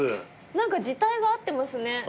何か字体が合ってますね。